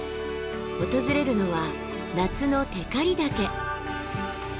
訪れるのは夏の光岳。